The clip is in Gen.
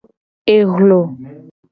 Ehlo.